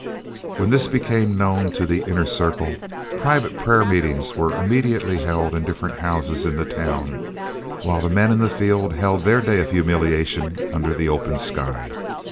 When this became known to the "inner circle," private prayer meetings were immediately held in different houses in the town, while the men in the field held their day of humiliation under the open sky.